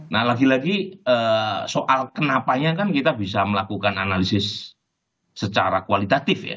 nah lagi lagi soal kenapanya kan kita bisa melakukan analisis secara kualitatif ya